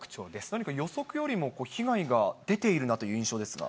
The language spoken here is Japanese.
何か予測よりも被害が出ているなという印象ですが。